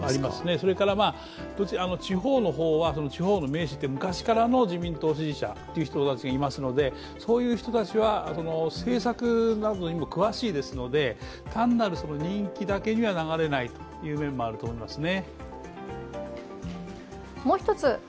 それから地方は地方の名士で昔からの自民党支持者がいますので、そういう人たちは、政策などにも詳しいですので単なる人気だけには流れないという面があると思いますね。